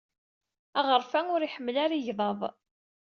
Aɣref-a ur iḥemmel ara igḍaḍ.